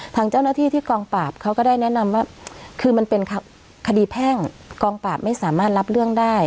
ทางเจ้าหน้าที่ที่กองปราบเขาก็ได้แนะนำว่าคือมันเป็นคดีแพ่งกองปราบไม่สามารถรับเรื่องได้